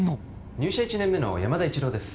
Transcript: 入社１年目の山田一郎です